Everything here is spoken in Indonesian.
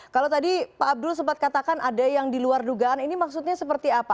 kalau tadi pak abdul sempat katakan ada yang diluar dugaan ini maksudnya seperti apa